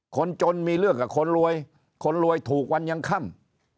คนจนมีเรื่องกับคนรวยคนรวยถูกวันยังค่ำ